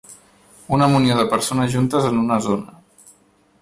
Una munió de persones juntes en una zona.